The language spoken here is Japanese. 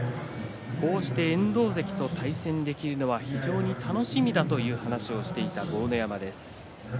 こうして遠藤関と対戦できるのを非常に楽しみだという話をしていた豪ノ山です。